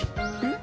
ん？